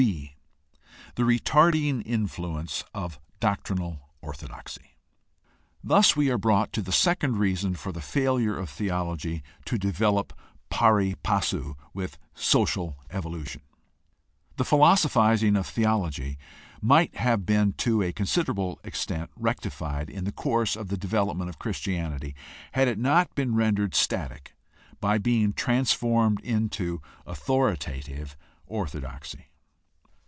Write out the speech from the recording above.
b) The retarding influence of doctrinal orthodoxy. — Thus we are brought to the second reason for the failure of theology to develop pari passu with social evolution. The philosophiz ing of theology might have been to a considerable extent rectified in the course of the development of Christianity had it not been rendered static by being transformed into authori tative orthodoxy.